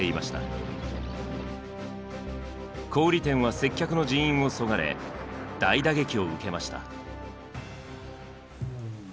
小売店は接客の人員をそがれ大打撃を受けました。